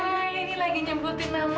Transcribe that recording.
duh ini lagi nyebutin nama aku